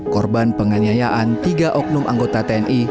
korban penganiayaan tiga oknum anggota tni